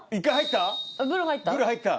ブル入った。